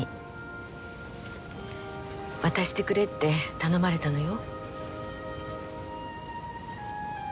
渡してくれって頼まれたのよ。